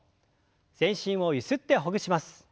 全身をゆすってほぐします。